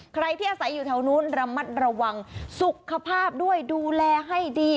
ใครที่อาศัยอยู่แถวนู้นระมัดระวังสุขภาพด้วยดูแลให้ดี